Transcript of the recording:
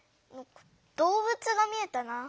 どうぶつが見えたな。